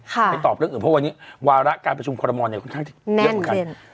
ไปตอบเรื่องอื่นเพราะวันนี้วาระการประชุมคอรมอลเนี่ยค่อนข้างจะเยอะเหมือนกัน